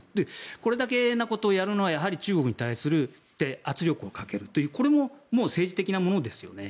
これだけのことをやるのは中国に対する圧力をかけるというこれも政治的なものですよね。